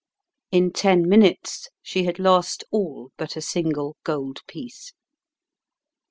In ten minutes she had lost all but a single gold piece.